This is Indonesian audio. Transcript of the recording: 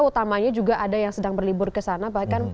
utamanya juga ada yang sedang berlibur ke sana bahkan